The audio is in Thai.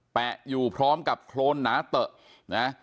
อยู่พร้อมกับโครนหนาเตอะนะ